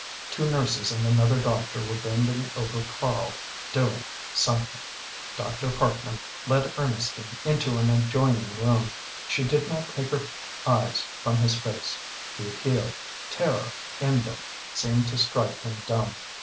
Two nurses and another doctor were bending over Karl doing something. Dr. Parkman led Ernestine into an adjoining room. She did not take her eyes from his face; the appeal, terror, in them seemed to strike him dumb.